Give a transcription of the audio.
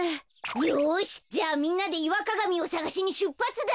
よしじゃあみんなでイワカガミをさがしにしゅっぱつだ。